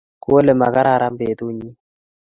kole makararan betunyin